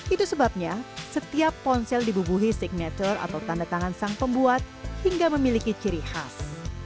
itu sebabnya setiap ponsel dibubuhi signature atau tanda tangan sang pembuat hingga memiliki ciri khas